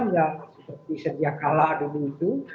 ya seperti sedia kalah dulu itu